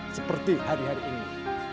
seperti hari hari ini